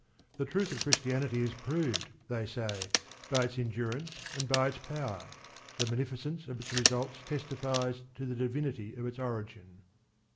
The truth of Christianity is proved, they say, by its endurance and by its power; the beneficence of its results testifies to the divinity of its origin.